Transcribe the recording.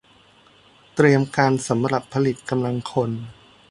เตรียมการสำหรับผลิตกำลังคน